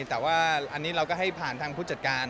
แต่ว่าอันนี้เราก็ให้ผ่านทางผู้จัดการ